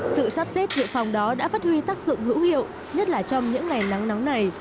sự sắp xếp dự phòng đó đã phát huy tác dụng hữu hiệu nhất là trong những ngày nắng nóng này